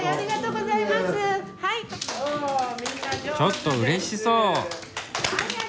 ちょっとうれしそう。